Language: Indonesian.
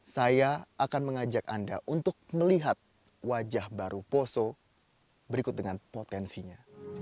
saya akan mengajak anda untuk melihat wajah baru poso berikut dengan potensinya